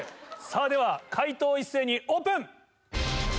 では解答を一斉にオープン！